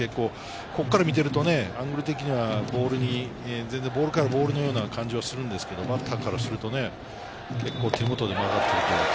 ここから見てるとアングル的にはボールからボールのような感じがするんですけれど、バッターからするとね、手元で曲がって。